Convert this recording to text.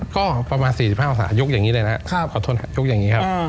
ก็ประมาณ๔๕องศายุคอย่างนี้เลยนะครับขอโทษครับยกอย่างนี้ครับ